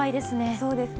そうですね。